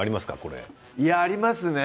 ありますね。